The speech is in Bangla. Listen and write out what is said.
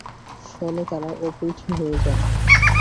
ফলে তারা অবৈধ হয়ে যান।